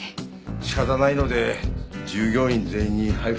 仕方ないので従業員全員に配布しました。